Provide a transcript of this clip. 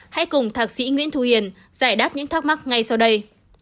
hãy cùng thạc sĩ nguyễn thu hiền giải đáp những thắc mắc ngay sau đây